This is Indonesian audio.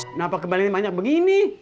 kenapa kembaliannya banyak begini